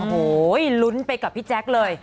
โอ้โหลุ้นไปกับพี่แจ๊คเลย